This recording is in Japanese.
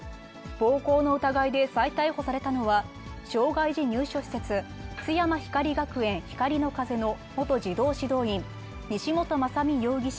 暴行の疑いで再逮捕されたのは、障がい児入所施設、津山ひかり学園ひかりの風の元児童指導員、西本政美容疑者